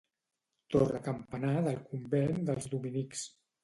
Torre Campanar del convent dels Dominics.